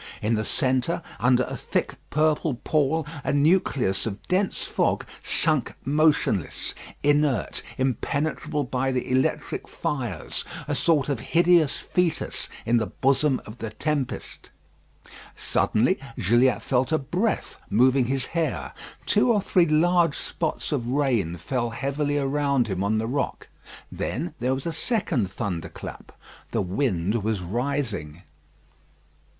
In the centre, under a thick purple pall, a nucleus of dense fog sunk motionless, inert, impenetrable by the electric fires; a sort of hideous foetus in the bosom of the tempest. Suddenly Gilliatt felt a breath moving his hair. Two or three large spots of rain fell heavily around him on the rock. Then there was a second thunder clap. The wind was rising.